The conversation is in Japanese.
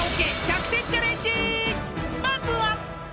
［まずは］